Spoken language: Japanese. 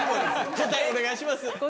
答えお願いします。